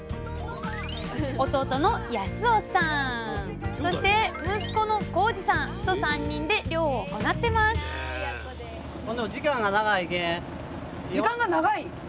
弟の康雄さんそして息子の航次さんと３人で漁を行ってますさあ